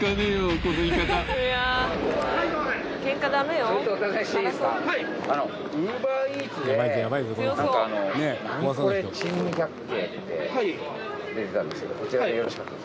こちらでよろしかったですか？